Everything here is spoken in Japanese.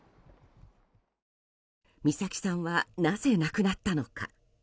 美咲さんはなぜ亡くなったのか。